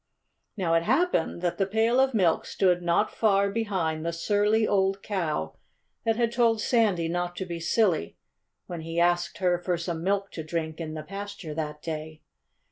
Now it happened that the pail of milk stood not far behind the surly old cow that had told Sandy not to be silly, when he asked her for some milk to drink, in the pasture that day.